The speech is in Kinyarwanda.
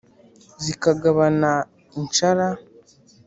Zikagabana inshara,